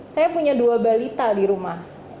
saya punya dua balita di rumah